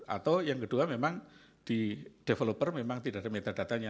atau yang kedua memang di developer memang tidak ada metadatanya